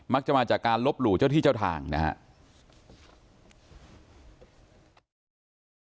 มาจากการลบหลู่เจ้าที่เจ้าทางนะครับ